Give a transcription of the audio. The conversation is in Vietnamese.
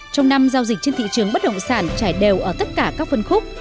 trong năm giao dịch trên thị trường bất động sản trải đều ở tất cả các phân khúc